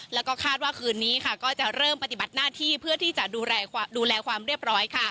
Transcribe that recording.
แล้วก็คาดว่าคืนนี้ก็จะเริ่มปฏิบัติหน้าที่เพื่อที่จะดูแลความเรียบร้อย